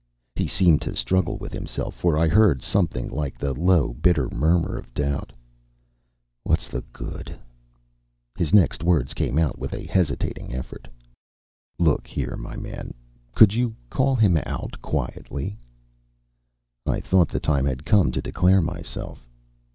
He seemed to struggle with himself, for I heard something like the low, bitter murmur of doubt. "What's the good?" His next words came out with a hesitating effort. "Look here, my man. Could you call him out quietly?" I thought the time had come to declare myself.